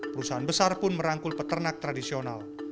perusahaan besar pun merangkul peternak tradisional